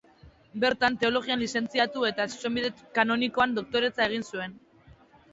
Bertan, Teologian lizentziatu eta Zuzenbide Kanonikoan doktoretza egin zuen.